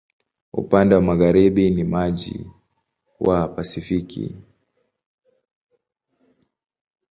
Upande wa magharibi ni maji wa Pasifiki.